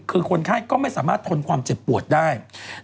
คือคนไข้ก็ไม่สามารถทนความเจ็บปวดได้